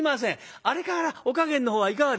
あれからお加減のほうはいかがですか？」。